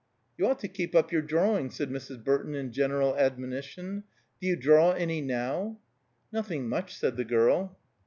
"You ought to keep up your drawing," said Mrs. Burton in general admonition. "Do you draw any now?" "Nothing much," said the girl.